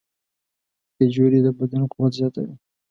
کجورې د بدن قوت زیاتوي.